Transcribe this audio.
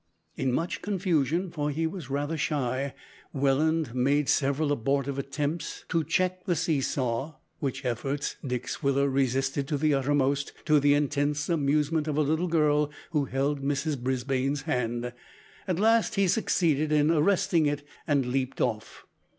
In much confusion for he was rather shy Welland made several abortive efforts to check the see saw, which efforts Dick Swiller resisted to the uttermost, to the intense amusement of a little girl who held Mrs Brisbane's hand. At last he succeeded in arresting it and leaped off.